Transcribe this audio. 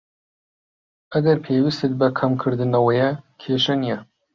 ئەگەر پێویستت بە کەمکردنەوەیە، کێشە نیە.